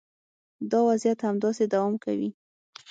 دا وضعیت همداسې دوام کوي